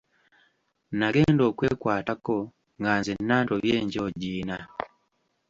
Nagenda okwekwatako nga nzenna ntobye njoogiina!